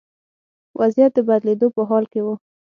وضعیت د بدلېدو په حال کې و.